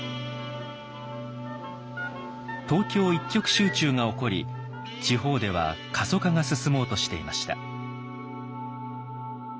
東京一極集中が起こり地方では過疎化が進もうとしていました。